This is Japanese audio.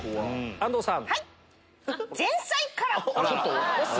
安藤さん